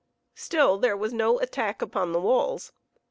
Still there was no attack upon the walls.